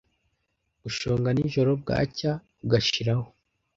gushonga nijoro bwacya ugashiraho